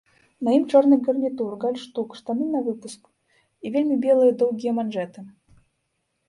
На ім чорны гарнітур, гальштук, штаны навыпуск і вельмі белыя доўгія манжэты.